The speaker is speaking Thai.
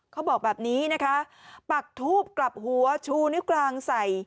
เขาบอกแบบนี้นะคะปักทูบกลับหัวชูนิ้วกลางใส่